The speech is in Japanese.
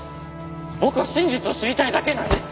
僕は真実を知りたいだけなんです！